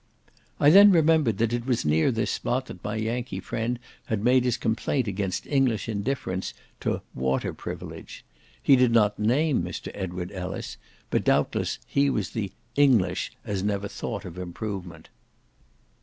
I then remembered that it was near this spot that my Yankee friend had made his complaint against English indifference to "water privilege." He did not name Mr. Edward Ellice, but doubtless he was the "English, as never thought of improvement."